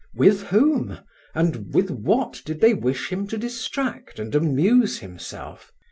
With whom, and with what did they wish him to distract and amuse himself?